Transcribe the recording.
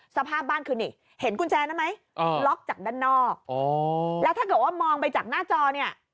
สภาพบ้านคือนี่เห็นกุญแจนั้นไหมล็อกจากด้านนอกแล้วถ้าเกิดว่ามองไปจากหน้าจอเนี่ย